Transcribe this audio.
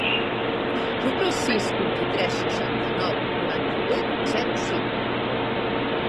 Truca al sis, vint-i-tres, seixanta-nou, noranta-vuit, zero, cinc.